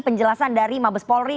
penjelasan dari mabes polri